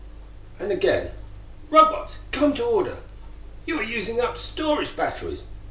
_" And again: "_Robots, come to order! You are using up your storage batteries!